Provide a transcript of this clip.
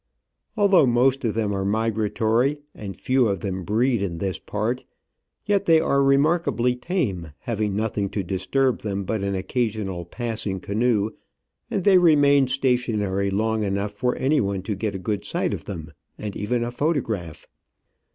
Although most of them are migratory, and few of them breed in this part, yet they are remarkably tame, having nothing to disturb them but an occasional passing canoe, and they remain stationary long enough for anyone to get a good sight of them, and even a photograph.